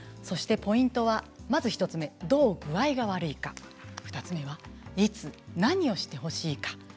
ポイントは、まず１つ目どう具合が悪いのか２つ目は、いつ何をしてほしいか。